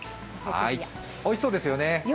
おいしそうですよね。